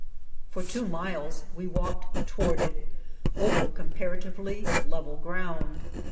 For two miles we walked toward it over comparatively level ground.